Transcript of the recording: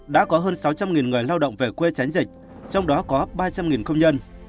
đã có hơn sáu trăm linh người lao động về quê tránh dịch trong đó có ba trăm linh công nhân